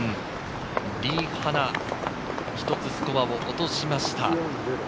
リ・ハナ、１つスコアを落としました。